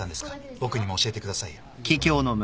僕にも教えてくださいよ。